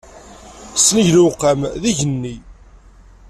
Sennig lewqam, d igenni.